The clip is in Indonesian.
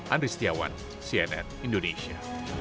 andri setiawan cnn indonesia